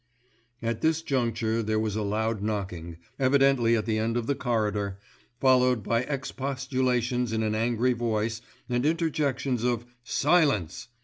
At this juncture there was a loud knocking, evidently at the end of the corridor, followed by expostulations in an angry voice and interjections of "Silence!"